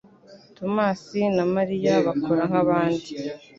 Tomasi na Mariya bakora nkabandi.